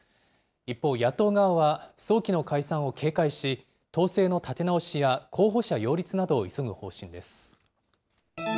一方、野党側は、早期の解散を警戒し、党勢の立て直しや、候補者擁立などを急ぐ方針です。